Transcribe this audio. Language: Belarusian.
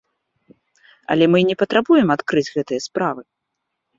Але мы і не патрабуем адкрыць гэтыя справы.